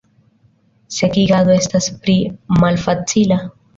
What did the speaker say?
Sekigado estas pli malfacila.